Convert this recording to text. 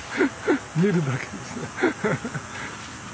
見るだけですね。